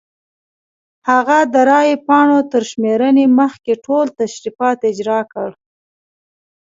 هغه د رای پاڼو تر شمېرنې مخکې ټول تشریفات اجرا کوي.